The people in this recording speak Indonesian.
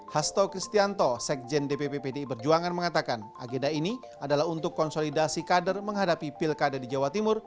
hasto kristianto sekjen dpp pdi perjuangan mengatakan agenda ini adalah untuk konsolidasi kader menghadapi pilkada di jawa timur